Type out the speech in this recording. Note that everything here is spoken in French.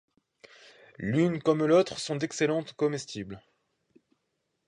L'une comme l'autre sont d'excellents comestibles.